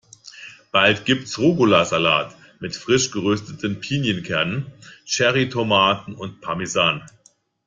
Bald gibt's Rucola-Salat mit frisch gerösteten Pinienkernen, Cherry-Tomaten und Parmesan.